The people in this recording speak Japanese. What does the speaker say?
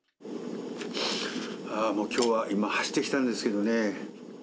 もうきょうは、今、走ってきたんですけれどね。